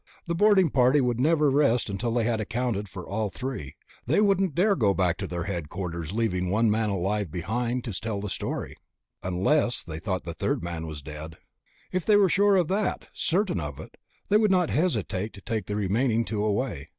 The boarding party would never rest until they had accounted for all three. They wouldn't dare go back to their headquarters leaving one live man behind to tell the story.... Unless they thought the third man was dead. If they were sure of that ... certain of it ... they would not hesitate to take the remaining two away.